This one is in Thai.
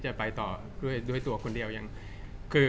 จากความไม่เข้าจันทร์ของผู้ใหญ่ของพ่อกับแม่